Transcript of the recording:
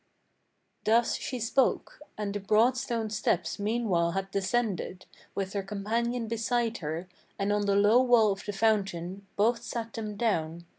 Thus she spoke, and the broad stone steps meanwhile had descended With her companion beside her, and on the low wall of the fountain Both sat them down.